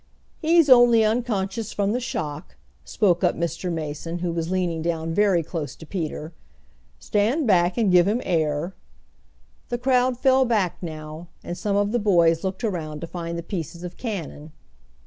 "He's only unconscious from the shock," spoke up Mr. Mason, who was leaning down very close to Peter. "Stand back, and give him air." The crowd fell back now, and some of the boys looked around to find the pieces of cannon.